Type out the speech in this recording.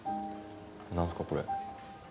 何すかこれ？